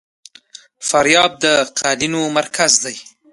فاریاب د قالینو مرکز دی